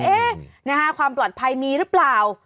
ความปลอดภัยมีหรือเปล่า